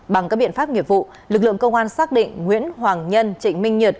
bằng các biện pháp nghiệp vụ lực lượng công an xác định nguyễn hoàng nhân trịnh minh nhật